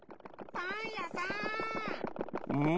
パンやさん。